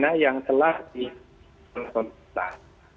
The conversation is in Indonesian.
karantina yang telah dikonsultas